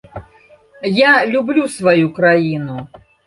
Я люблю сваю краіну.